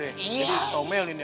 dia ngutomelin ya